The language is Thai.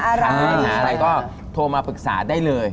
ใครก็โทรมาปรึกษาได้เลย